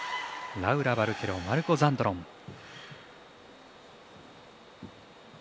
ラウラ・バルケロマルコ・ザンドロン。